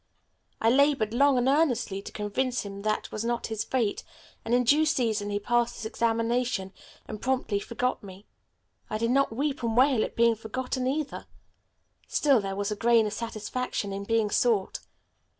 I labored long and earnestly to convince him that I was not his fate, and in due season he passed his examination and promptly forgot me. I did not weep and wail at being forgotten, either. Still there was a grain of satisfaction in being sought.